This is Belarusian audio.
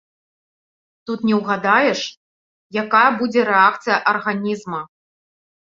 Тут не ўгадаеш, якая будзе рэакцыя арганізма.